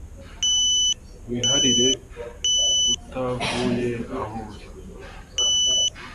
wihahire utavuye aho uri